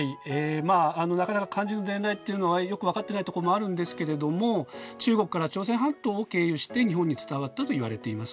まあなかなか漢字の伝来っていうのはよく分かっていないところもあるんですけれども中国から朝鮮半島を経由して日本に伝わったといわれています。